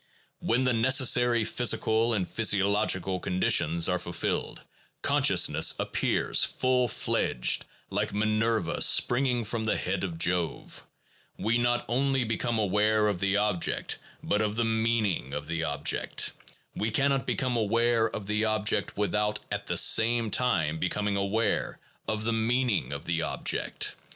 When the necessary physical and physiological con ditions are fulfilled, consciousness appears, full fledged, like Minerva springing from the head of Jove: we not only become aware of the object, but of the meaning of the object; we cannot become aware of the object without at the same time becoming aware of the meaning of the object.